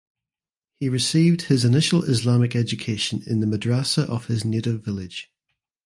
He received his initial Islamic education in the madrasah of his native village.